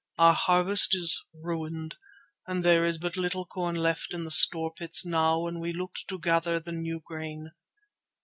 Our harvest is ruined, and there is but little corn left in the storepits now when we looked to gather the new grain.